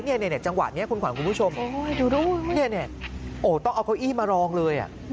จังหวะนี้คุณขวัญคุณผู้ชมต้องเอาเก้าอี้มารองเลย